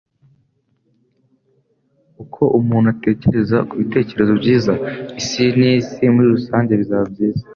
Uko umuntu atekereza ku bitekerezo byiza, isi ye n'isi muri rusange bizaba byiza.”